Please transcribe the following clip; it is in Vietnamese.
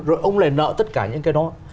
rồi ông lại nợ tất cả những cái đó